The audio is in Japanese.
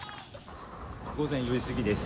午前４時過ぎです。